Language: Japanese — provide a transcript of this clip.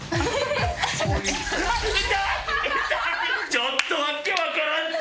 ちょっと訳わからんって！